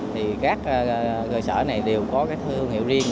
thì các cơ sở này đều có cái thương hiệu riêng